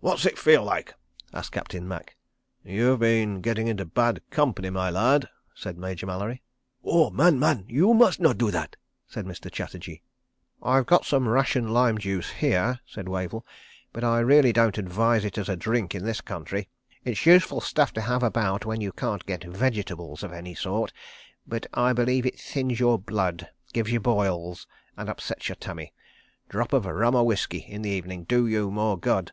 "What's it feel like?" asked Captain Macke. "You've been getting into bad company, my lad," said Major Mallery. "Oah! Maan, maan! You must not do thatt!" said Mr. Chatterji. "I've got some ration lime juice here," said Wavell, "but I really don't advise it as a drink in this country. It's useful stuff to have about when you can't get vegetables of any sort—but I believe it thins your blood, gives you boils, and upsets your tummy. ... Drop of rum or whisky in the evening ... do you more good."